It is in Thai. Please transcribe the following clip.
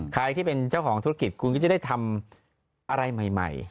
ใครที่เป็นเจ้าของธุรกิจคุณก็จะได้ทำอะไรใหม่